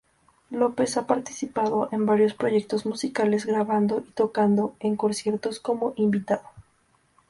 López ha participado en varios proyectos musicales, grabando y tocando en conciertos como invitado.